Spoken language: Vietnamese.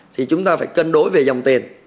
thì chúng ta phải cân đối về dòng tiền